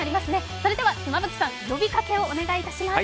それでは妻夫木さん、呼びかけをお願いします。